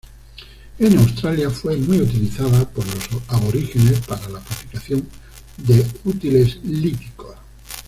En Australia fue muy utilizada por los aborígenes para la fabricación de útiles líticos.